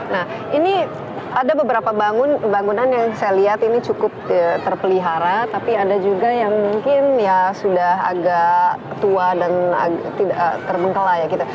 nah ini ada beberapa bangunan yang saya lihat ini cukup terpelihara tapi ada juga yang mungkin ya sudah agak tua dan tidak terbengkelah ya gitu